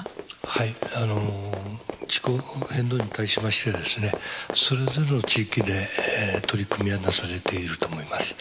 はい気候変動に対しましてですねそれぞれの地域で取り組みがなされていると思います。